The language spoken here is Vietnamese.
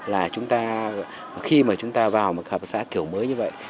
là khi mà chúng ta vào một hợp xã kiểu mới như vậy